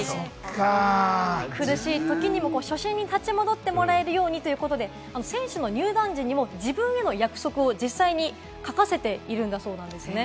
苦しい時にも初心に立ち戻ってもらえるようにということで、選手の入団時にも、自分への約束を実際に書かせているそうです。